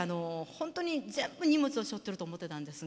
本当に全部荷物をしょってると思ってたんですが。